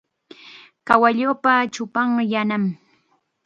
Kawalluupa chupanqa yanam.